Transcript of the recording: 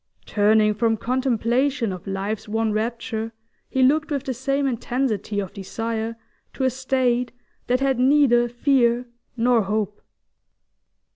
Turning from contemplation of life's one rapture, he looked with the same intensity of desire to a state that had neither fear nor hope.